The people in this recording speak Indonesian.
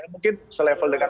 mungkin selevel dengan